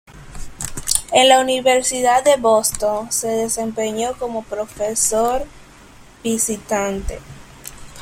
En la Universidad de Boston se desempeñó como profesor visitante.